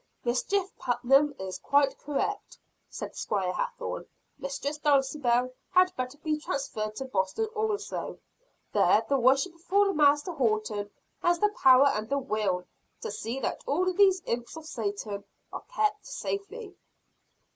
"Mistress Putnam is quite correct," said Squire Hathorne. "Mistress Dulcibel had better be transferred to Boston also. There the worshipful Master Haughton has the power and the will to see that all these imps of Satan are kept safely."